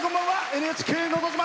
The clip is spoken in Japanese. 「ＮＨＫのど自慢」